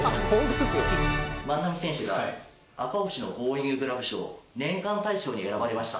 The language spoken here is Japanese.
万波選手が、赤星のゴーインググラブ賞年間大賞に選ばれました。